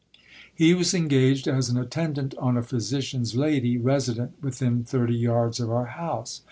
He was engaged as an attendant on a physician's lady, resident within thirty yards of our house.